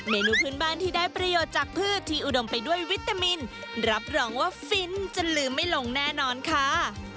นูพื้นบ้านที่ได้ประโยชน์จากพืชที่อุดมไปด้วยวิตามินรับรองว่าฟินจนลืมไม่ลงแน่นอนค่ะ